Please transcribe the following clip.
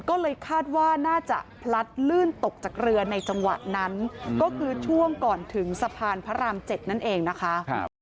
ก็เลยคาดว่าน่าจะพลัดลื่นตกจากเรือในจังหวะนั้นก็คือช่วงก่อนถึงสะพานพระราม๗นั่นเองนะคะ